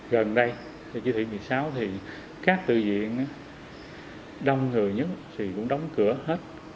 gần đây thầy chí thị một mươi sáu thì các tự viện đông người nhất thì cũng đóng cửa hết